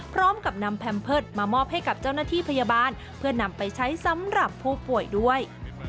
พร้อมกับนำแพมเพิร์ตมามอบให้กับเจ้าหน้าที่พยาบาลเพื่อนำไปใช้สำหรับผู้ป่วยด้วย